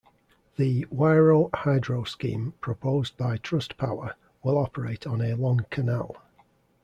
The Wairau Hydro Scheme proposed by TrustPower will operate on a long canal.